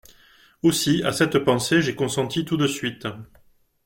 Aussi, à cette pensée, j’ai consenti tout de suite.